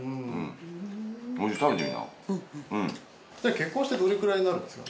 結婚してどれくらいになるんですか？